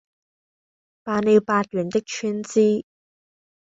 辦了八元的川資，